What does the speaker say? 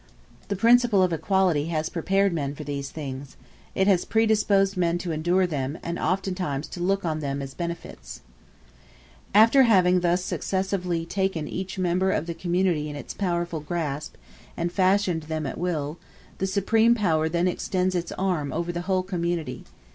The principle of equality has prepared men for these things: it has predisposed men to endure them, and oftentimes to look on them as benefits. After having thus successively taken each member of the community in its powerful grasp, and fashioned them at will, the supreme power then extends its arm over the whole community.